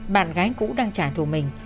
bạn gái cũ đang trả thù mình